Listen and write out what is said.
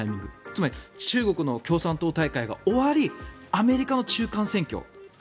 つまり中国の共産党大会が終わりアメリカの中間選挙。